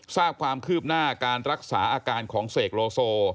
ทราบความคืบหน้าการรักษาอาการของเสกโลโซ